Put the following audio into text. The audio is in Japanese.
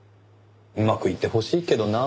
うまくいってほしいけどな。